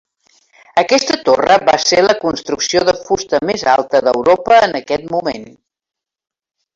Aquesta torre va ser la construcció de fusta més alta d'Europa en aquest moment.